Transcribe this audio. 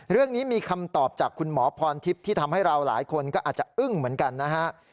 เรื่องนี้มีคำตอบจากคุณหมอพรทิพย์ที่ทำให้เราหลายคนก็อาจจะอึ้งเหมือนกันนะฮะ